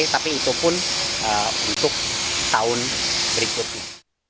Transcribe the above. tapi itu pun untuk tahun berikutnya